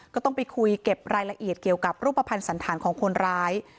ก็ต้องไปคุยเก็บรายละเอียดเกี่ยวกับรูปภัณฑ์สันธารของคนร้าย